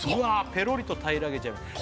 「ペロリと平らげちゃいます」